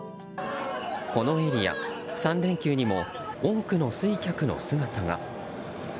このエリア、３連休にも多くの酔客の姿が。